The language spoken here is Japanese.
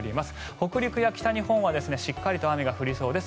北陸や北日本はしっかりと雨が降りそうです。